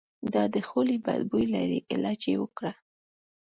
د تا د خولې بد بوي لري علاج یی وکړه